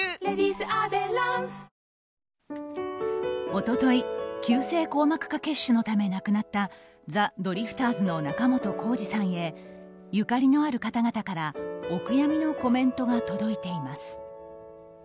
一昨日、急性硬膜下血腫のため亡くなったザ・ドリフターズの仲本工事さんへゆかりのある方々からお悔やみのコメントが届いています。